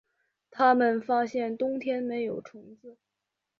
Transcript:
他们发现冬天没有虫子